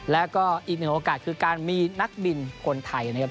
แล้วก็อีกหนึ่งโอกาสคือการมีนักบินคนไทยนะครับ